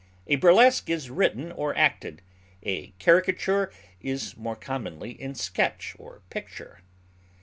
A burlesque is written or acted; a caricature is more commonly in sketch or picture.